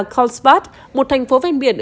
colspot một thành phố ven biển